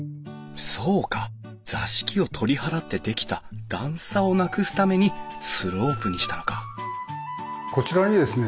そうか座敷を取り払って出来た段差をなくすためにスロープにしたのかこちらにですね